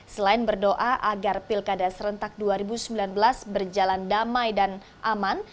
selain berdoa agar pilkada serentak dua ribu sembilan belas berjalan damai dan aman